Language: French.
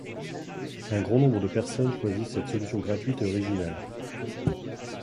Un grand nombre de personnes choisissent cette solution gratuite et originale.